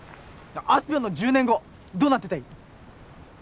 あすぴょんの１０年後どうなってたい？